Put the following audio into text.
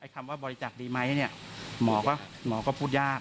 คำว่าบริจักษ์ดีไหมเนี่ยหมอก็พูดยาก